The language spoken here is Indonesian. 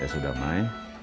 ya sudah mai